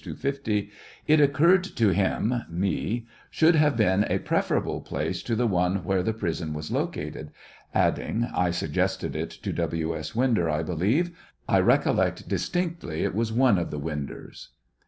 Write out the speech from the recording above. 250,) it occurred to him (me) would have been a preferable place to the one where the prison was located," adding, " I suggested it to W. S. Winder, I believe ; I recollect distinctly it was one of the Winders."